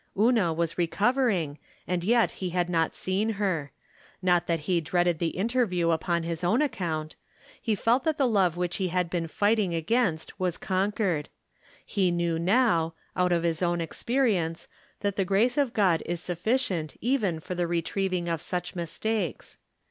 Una was recovering, and yet he had not seen her ; not that he dreaded the interview upon his own account. He felt that the love which he had been fighting against was conquered. He From Different Standpoints. 355 knew now, out of his own experience, that the grace of God is sufficient even for the retrieving of such mistakes.